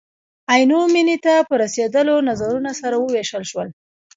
عینو مینې ته په رسېدلو نظرونه سره ووېشل شول.